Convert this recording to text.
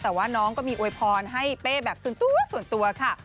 แต่ว่าน้องก็มีโวยพรให้เป้แบบส่วนตัวค่ะ